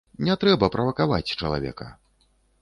Не трэба правакаваць чалавека.